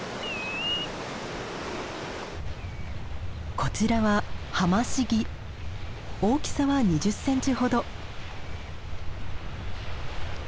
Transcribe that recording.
こちらは大きさは２０センチほど。